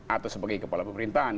atau sebagai kepala pemerintahan